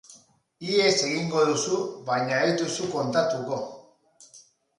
Ihes egingo duzu, baina ez duzu kontatuko.